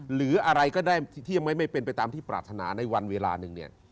หรืออะไรก็ได้ที่ยังไม่เป็นไปตามที่ปรารถนาในวันเวลาหนึ่งเนี่ย